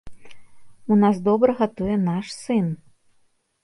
У нас добра гатуе наш сын.